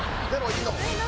いいの。